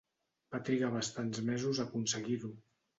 Va trigar bastants mesos a aconseguir-ho.